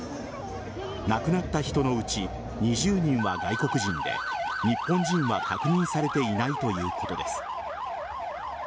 亡くなった人のうち２０人は外国人で日本人は確認されていないということです。